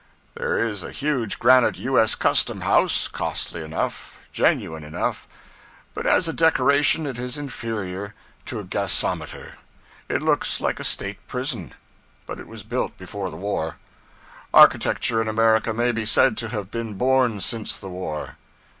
There is a huge granite U.S. Custom house costly enough, genuine enough, but as a decoration it is inferior to a gasometer. It looks like a state prison. But it was built before the war. Architecture in America may be said to have been born since the war.